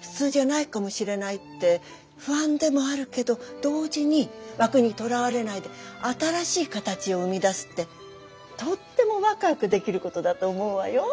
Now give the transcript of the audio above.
普通じゃないかもしれないって不安でもあるけど同時に枠にとらわれないで新しい形を生み出すってとってもワクワクできることだと思うわよ。